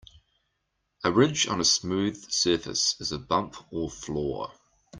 A ridge on a smooth surface is a bump or flaw.